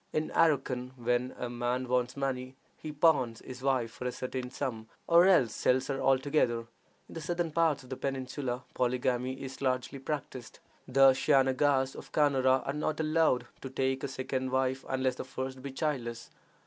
In Arracan, when a man wants money, he pawns his wife for a certain sum, or else sells her altogether. In the southern parts of the peninsula polygamy is largely practiced. The Shaynagas of Canara are not allowed to take a second wife unless the first be childless.